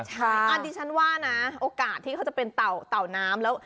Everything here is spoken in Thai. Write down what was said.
อันนี้ฉันว่านะโอกาสที่เขาจะเป็นเต่าน้ำแล้ว